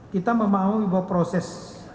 kita memahami bahwa proses